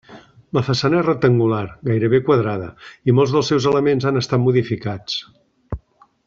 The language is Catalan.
La façana és rectangular, gairebé quadrada, i molts dels seus elements han estat modificats.